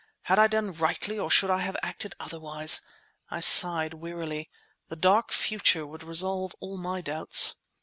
Had I done rightly or should I have acted otherwise? I sighed wearily. The dark future would resolve all my doubts.